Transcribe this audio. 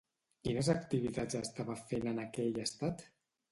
Quines activitats estava fent en aquell estat?